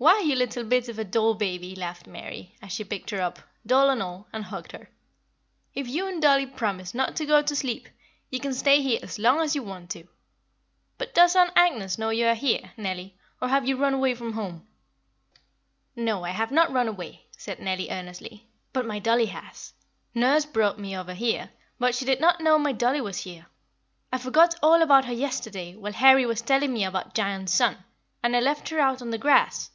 Why you little bit of a doll baby," laughed Mary, as she picked her up, doll and all, and hugged her, "if you and dollie promise not to go to sleep, you can stay here as long as you want to. But does Aunt Agnes know you are here, Nellie; or have you run away from home?" [Illustration: GIANT SUN AND HIS FAMILY.] "No, I have not run away," said Nellie earnestly, "but my dollie has. Nurse brought me over here, but she did not know my dollie was here. I forgot all about her yesterday, while Harry was telling me about Giant Sun, and I left her out on the grass.